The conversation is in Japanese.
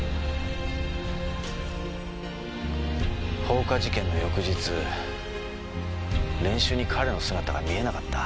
放火事件の翌日練習に彼の姿が見えなかった。